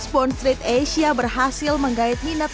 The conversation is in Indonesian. spon street asia berhasil menggait minat